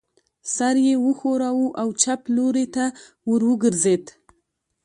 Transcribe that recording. سر یې و ښوراوه او چپ لوري ته ور وګرځېد.